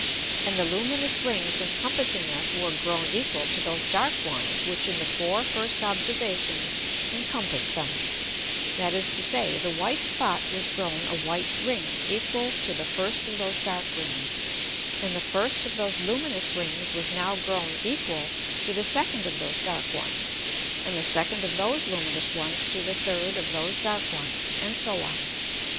And the luminous Rings encompassing it were grown equal to those dark ones which in the four first Observations encompassed them, that is to say, the white Spot was grown a white Ring equal to the first of those dark Rings, and the first of those luminous Rings was now grown equal to the second of those dark ones, and the second of those luminous ones to the third of those dark ones, and so on.